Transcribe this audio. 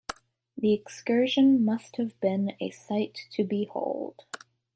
The excursion must have been a sight to behold.